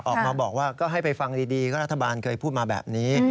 ออกมาบอกว่าก็ให้ไปฟังดีก็รัฐบาลเคยพูดมาแบบนี้